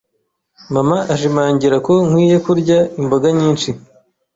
Mama ashimangira ko nkwiye kurya imboga nyinshi.